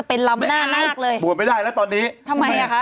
เป็นสีทอง